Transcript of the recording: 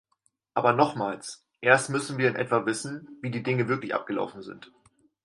Aber nochmals, erst müssen wir in etwa wissen, wie die Dinge wirklich abgelaufen sind.